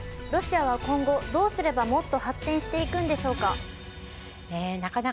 ロシアは今後どうすればもっと発展していくんでしょうか？